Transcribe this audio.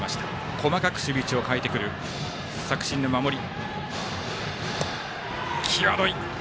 細かく守備位置を変える作新の守り。